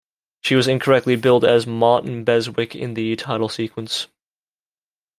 She was incorrectly billed as "Martin Beswick" in the title sequence.